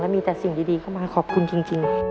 มีแต่สิ่งดีเข้ามาขอบคุณจริง